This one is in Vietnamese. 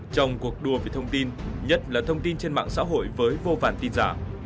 trong cuộc đua về thông tin nhất là thông tin trên mạng xã hội với vô vàn tin giả